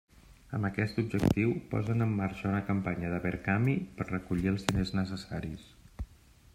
Amb aquest objectiu posen en marxa una campanya de Verkami per recollir els diners necessaris.